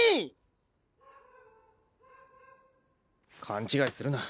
勘違いするな。